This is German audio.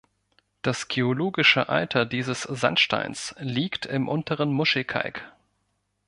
Das geologische Alter dieses Sandsteins liegt im Unteren Muschelkalk.